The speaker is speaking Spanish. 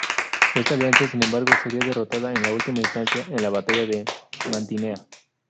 Esta alianza, sin embargo, sería derrotada en última instancia en la batalla de Mantinea.